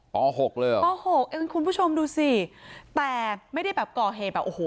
ปหกปหกคุณผู้ชมดูสิแต่ไม่ได้แบบก่อเหตุแบบโอ้โห